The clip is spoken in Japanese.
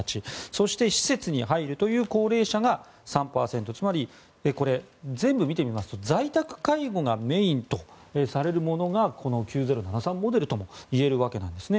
そして施設に入るという高齢者が３％つまり、これ、全部見てみますと在宅介護がメインとされるものがこの９０７３モデルともいえるわけなんです。